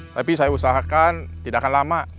tapi saya usahakan tidak akan lama